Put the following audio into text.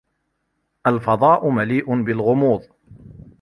الفضاء مليئ بالغموض.